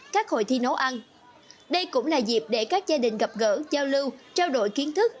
các hội thi nấu ăn đây cũng là dịp để các gia đình gặp gỡ giao lưu trao đổi kiến thức